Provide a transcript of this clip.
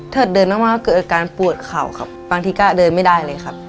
เดินมากเกิดอาการปวดเข่าครับบางทีก็เดินไม่ได้เลยครับ